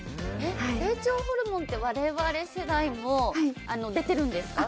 成長ホルモンって我々世代も出てるんですか？